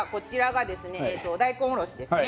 大根おろしですね